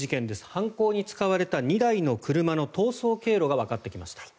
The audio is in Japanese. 犯行に使われた２台の車の逃走経路がわかってきました。